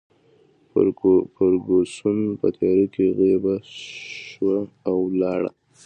فرګوسن په تیارې کې غیبه شوه او ولاړه.